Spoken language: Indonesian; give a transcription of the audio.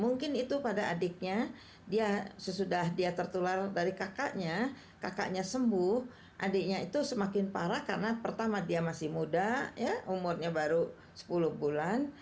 mungkin itu pada adiknya dia sesudah dia tertular dari kakaknya kakaknya sembuh adiknya itu semakin parah karena pertama dia masih muda umurnya baru sepuluh bulan